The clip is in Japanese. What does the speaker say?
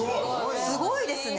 すごいですね。